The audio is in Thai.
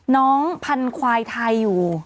น้องพันธุ์ควายไทยอยู่